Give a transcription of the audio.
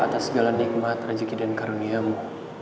atas segala nikmat rezeki dan karuniamu